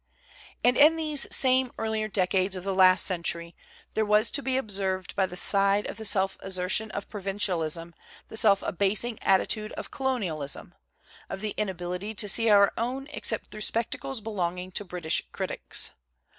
And in these same earlier decades of the last century there was to be observed by the side of the self assertion of provincialism the self abasing attitude of colonialism, of the inability to see our own except thru spectacles belonging to British critics.